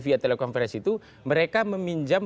via telekonferensi itu mereka meminjam